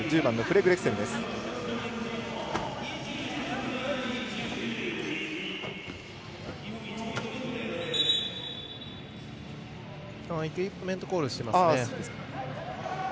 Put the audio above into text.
イクイップメントコールしてますね。